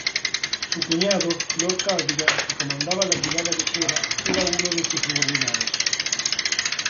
Su cuñado, Lord Cardigan, que comandaba la Brigada Ligera, era uno de sus subordinados.